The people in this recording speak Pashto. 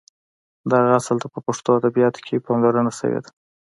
دغه اصل ته په پښتو ادبیاتو کې پاملرنه شوې ده.